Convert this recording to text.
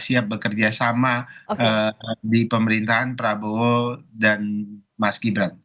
siap bekerja sama di pemerintahan prabowo dan mas gibran